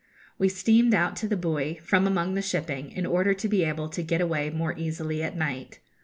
We steamed out to the buoy, from among the shipping, in order to be able to get away more easily at night.